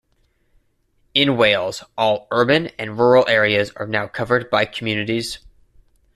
In Wales, all urban and rural areas are now covered by communities.